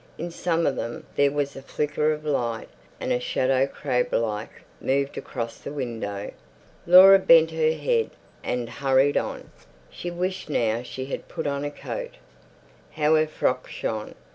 In some of them there was a flicker of light, and a shadow, crab like, moved across the window. Laura bent her head and hurried on. She wished now she had put on a coat. How her frock shone!